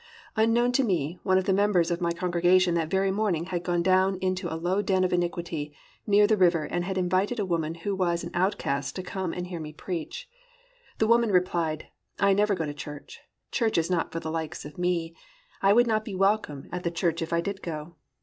Unknown to me, one of the members of my congregation that very morning had gone down into a low den of iniquity near the river and had invited a woman who was an outcast to come and hear me preach. The woman replied, "I never go to church. Church is not for the likes of me. I would not be welcome at the church if I did go."